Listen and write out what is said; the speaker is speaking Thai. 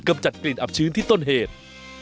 จัดกลิ่นอับชื้นที่ต้นเหตุ